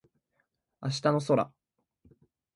明日の空